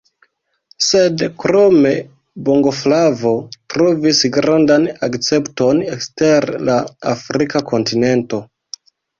Sed krome bongoflavo trovis grandan akcepton ekster la afrika kontinento.